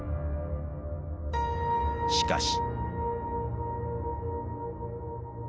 しかし。